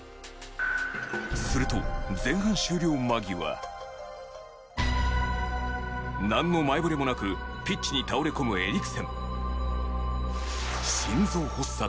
するとなんの前触れもなくピッチに倒れ込むエリクセン。